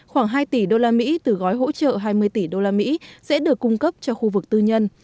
khoảng hai tỷ đô la mỹ từ gói hỗ trợ hai mươi tỷ đô la mỹ sẽ được cung cấp cho khu vực tư nhân